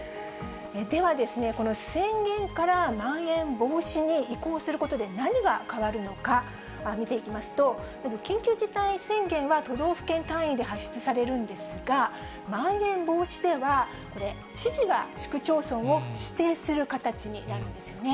では、この宣言からまん延防止に移行することで、何が変わるのか見ていきますと、まず緊急事態宣言は、都道府県単位で発出されるんですが、まん延防止では、これ、知事が市区町村を指定する形になるんですよね。